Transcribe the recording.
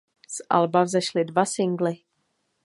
Z alba vzešly dva singly.